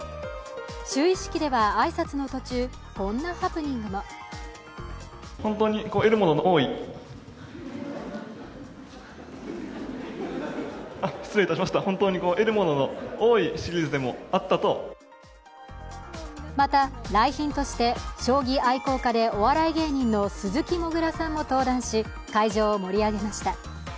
就位式では、挨拶の途中、こんなハプニングもまた、来賓として将棋愛好家でお笑い芸人の鈴木もぐらさんも登壇し、会場を盛り上げました。